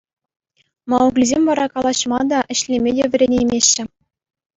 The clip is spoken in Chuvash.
Мауглисем вара калаҫма та, ӗҫлеме те вӗренеймеҫҫӗ.